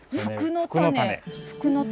福の種。